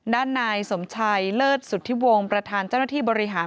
ด้านนายสมชัยเลิศสุธิวงศ์ประธานเจ้าหน้าที่บริหาร